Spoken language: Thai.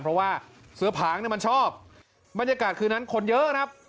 เพราะว่าเสื้อผางเนี่ยมันชอบบรรยากาศคืนนั้นคนเยอะครับ